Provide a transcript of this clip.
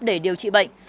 để điều trị bệnh